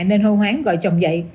nên hô hoán gọi chồng dậy